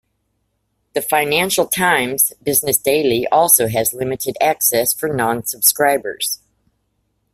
"The Financial Times" business daily also has limited access for non-subscribers.